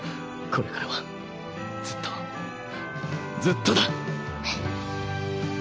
これからはずっとずっとだ。